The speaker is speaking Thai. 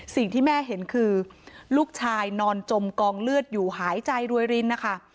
สิ่งที่แม่เห็นคือลูกชายนอนจมกองเลือดอยู่หายใจรวยรินนะคะ